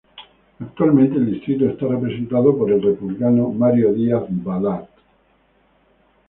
Actualmente el distrito está representado por el Republicano Mario Díaz-Balart.